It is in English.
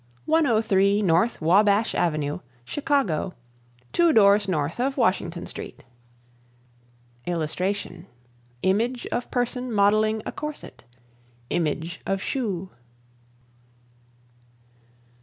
103 N. Wabash Ave., Chicago Two Doors North of Washington Street [Illustration: Image of person modeling a corset. Image of shoe.